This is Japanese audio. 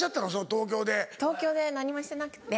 東京で何もしてなくて。